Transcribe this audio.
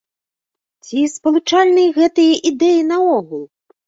Ці спалучальныя гэтыя ідэі наогул?